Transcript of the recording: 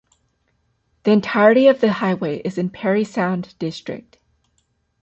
The entirety of the highway is in Parry Sound District.